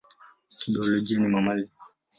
Kibiolojia ni mamalia.